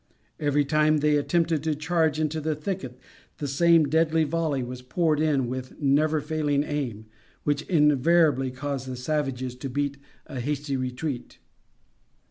Every time they attempted to charge into the thicket the same deadly volley was poured in with never failing aim, which invariably caused the savages to beat a hasty retreat.